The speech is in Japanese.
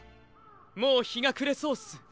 もうひがくれそうっす。